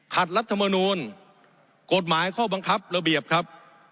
รัฐมนูลกฎหมายข้อบังคับระเบียบครับ